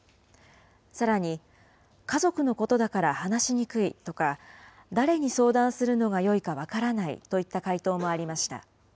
さらに家族のことだから話しにくいとか、誰に相談するのがよいか分からないといった回答もありました。